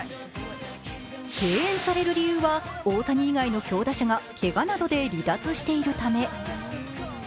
敬遠される理由は大谷以外の強打者がけがなどで離脱しているため。